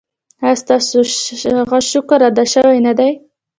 ایا ستاسو شکر ادا شوی نه دی؟